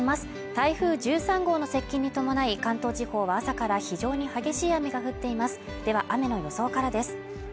台風１３号の接近に伴い関東地方は朝から非常に激しい雨が降っていますでは雨の予想からです